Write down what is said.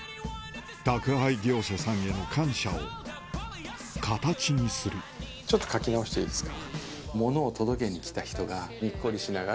宅配業者さんへの感謝を形にするちょっと書き直していいですか？